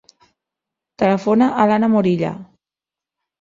Telefona a l'Ana Morilla.